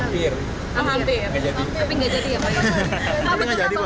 pak apakah betul betul bapak sudah menikah